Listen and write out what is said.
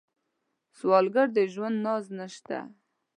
سوالګر د ژوند ناز نشته